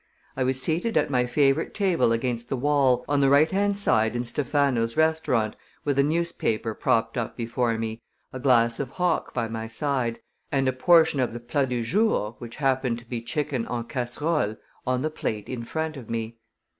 I was seated at my favorite table against the wall on the right hand side in Stephano's restaurant, with a newspaper propped up before me, a glass of hock by my side, and a portion of the plat du jour, which happened to be chicken en casserole, on the plate in front of me.